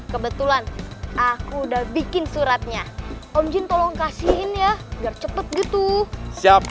kebetulan aku udah bikin suratnya omjin tolong kasihin ya cepet gitu siap